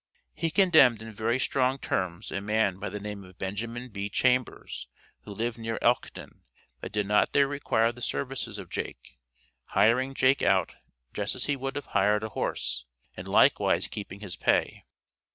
He condemned in very strong terms a man by the name of Benjamin B. Chambers, who lived near Elkton, but did not there require the services of Jake, hiring Jake out just as he would have hired a horse, and likewise keeping his pay.